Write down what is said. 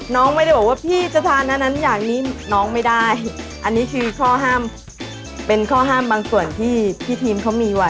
น้องไม่ได้บอกว่าพี่จะทานอันนั้นอย่างนี้น้องไม่ได้อันนี้คือข้อห้ามเป็นข้อห้ามบางส่วนที่พี่ทีมเขามีไว้